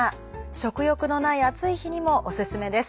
食欲のない暑い日にもオススメです。